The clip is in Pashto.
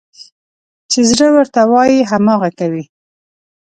چې زړه ورته وايي، هماغه کوي.